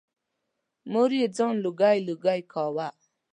مور یې ځان لوګی لوګی کاوه.